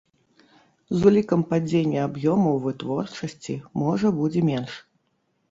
З улікам падзення аб'ёмаў вытворчасці, можа, будзе менш.